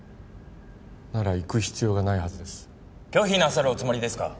なら行く必要がないはずです・拒否なさるおつもりですか？